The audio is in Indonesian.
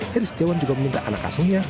harry setiawan juga meminta anak asumnya